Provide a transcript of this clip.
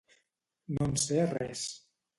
No en sé res.